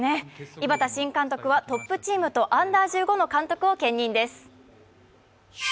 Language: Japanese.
井端新監督はトップチームとＵ−１５の監督を兼任です。